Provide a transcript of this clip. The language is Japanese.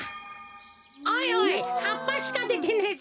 おいおいはっぱしかでてねえぞ。